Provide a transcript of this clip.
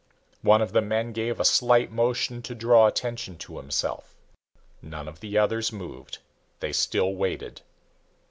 One of the men gave a slight motion to draw attention to himself. None of the others moved. They still waited.